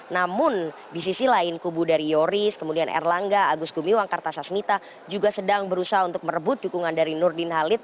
namun di sisi lain kubu dari yoris kemudian erlangga agus gumiwang kartasasmita juga sedang berusaha untuk merebut dukungan dari nurdin halid